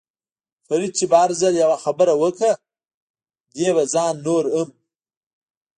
فرید چې به هر ځل یوه خبره وکړه، دې به ځان نور هم.